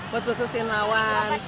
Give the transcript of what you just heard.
buat memutuskan lawan